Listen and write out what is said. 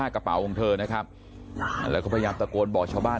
กระเป๋าของเธอนะครับแล้วก็พยายามตะโกนบอกชาวบ้าน